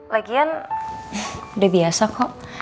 lagian udah biasa kok